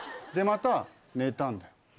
でまた寝たんだよ。